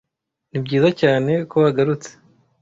Nibyiza cyane ko wagarutse.